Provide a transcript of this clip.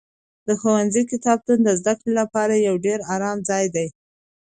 د ښوونځي کتابتون د زده کړې لپاره یو ډېر ارام ځای دی.